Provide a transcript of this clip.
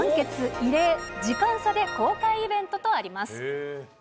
異例、時間差で公開イベントとあります。